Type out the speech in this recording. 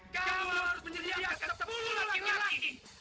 kamu harus menyediakan sepuluh laki laki